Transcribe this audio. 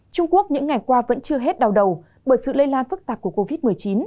trung quốc những ngày qua vẫn chưa hết đau đầu bởi sự lây lan phức tạp của covid một mươi chín